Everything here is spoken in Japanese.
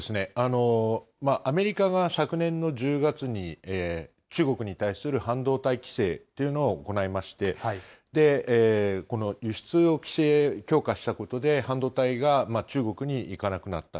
アメリカが昨年の１０月に、中国に対する半導体規制っていうのを行いまして、この輸出を規制強化したことで、半導体が中国にいかなくなった。